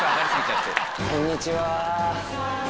こんにちは。